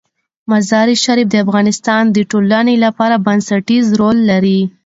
مزارشریف د افغانستان د ټولنې لپاره بنسټيز رول لري.